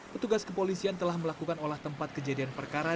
petugas kepolisian telah melakukan olah tempat kejadian perkara